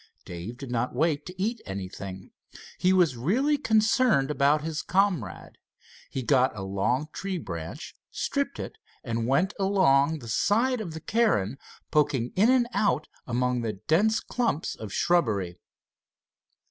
Dave did not wait to eat anything. He was really concerned about his comrade. He got a long tree branch, stripped it, and went along the side of the cairn, poking in and out among the dense dumps of shrubbery.